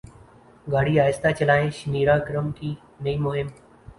گاڑی اہستہ چلائیں شنیرا اکرم کی نئی مہم